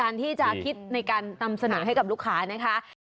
อะไรแปลกเยอะทานได้หลายเมือง